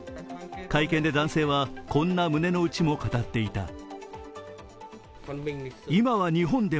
会見で男性はこんな胸のうちも語っていた。